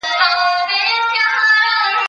زه هره ورځ د کتابتون پاکوالی کوم!.